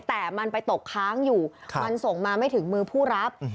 แต่มันไปตกค้างอยู่มันส่งมาไม่ถึงมือผู้รับ